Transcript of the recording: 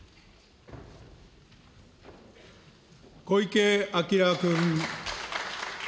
小池晃君。